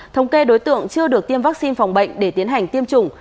thống kê đối tượng chưa được tiêm vaccine phòng bệnh để tiến hành tiêm chủng